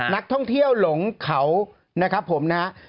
นักท่องเที่ยวหลงเขานะครับผมนะครับ